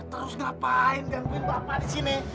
terus ngapain dianjurin bapak disini